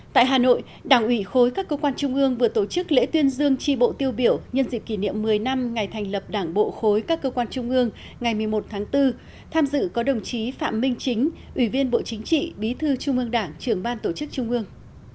tại hà nội đảng ủy khối các cơ quan trung ương vừa tổ chức lễ tuyên dương tri bộ tiêu biểu nhân dịp kỷ niệm một mươi năm ngày thành lập đảng bộ khối các cơ quan trung ương ngày một mươi một tháng bốn tham dự có đồng chí phạm minh chính ủy viên bộ chính trị bí thư trung ương đảng trưởng ban tổ chức trung ương